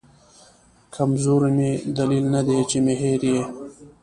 کمزوري مې دلیل ندی چې مې هېر یې